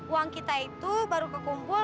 uang kita itu baru kekumpul